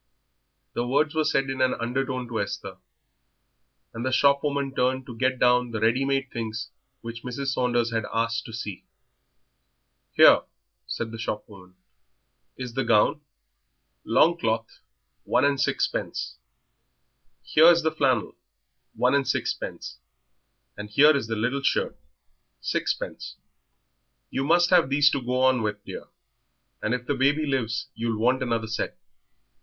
'" The words were said in an undertone to Esther, and the shop woman turned to get down the ready made things which Mrs. Saunders had asked to see. "Here," said the shopwoman, "is the gown, longcloth, one and sixpence; here is the flannel, one and sixpence; and here is the little shirt, sixpence." "You must have these to go on with, dear, and if the baby lives you'll want another set."